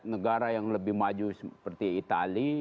negara yang lebih maju seperti itali